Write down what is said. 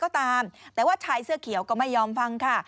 แต่ว่าชายเสื้อเขียวก็ไม่ยอมฟังฮะ